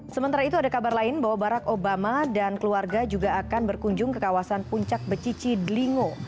sementara itu ada kabar lain bahwa barack obama dan keluarga juga akan berkunjung ke kawasan puncak becici delingo